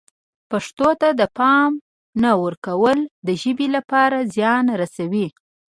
پښتو ته د پام نه ورکول د ژبې لپاره زیان رسوي.